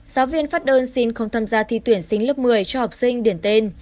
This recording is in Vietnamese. giáo viên phát đơn xin không tham gia thi tuyển sinh lớp một mươi cho học sinh điển tên